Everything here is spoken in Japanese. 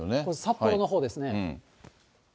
札幌のほうですね。